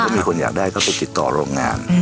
มีคนอยากได้เขาไปติดต่อโรงงาน